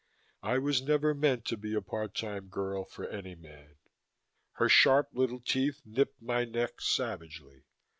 I was never meant to be a part time girl for any man." Her sharp little teeth nipped my neck savagely.